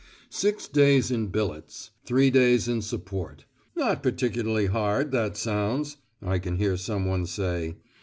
"Six days in billets: three days in support. Not particularly hard, that sounds," I can hear someone say.